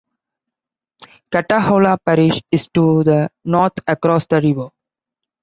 Catahoula Parish is to the north across the river.